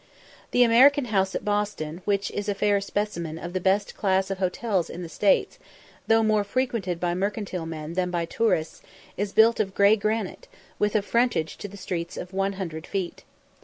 The American House at Boston, which is a fair specimen of the best class of hotels in the States, though more frequented by mercantile men than by tourists, is built of grey granite, with a frontage to the street of 100 feet.